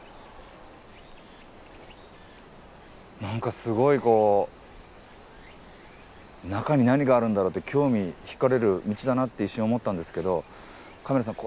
何かすごいこう中に何があるんだろうって興味ひかれる道だなって一瞬思ったんですけどカメラさん